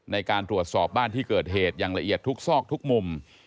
ในการตรวจสอบบ้านที่เกิดเหตุอย่างละเอียดทุกซอกทุกมุม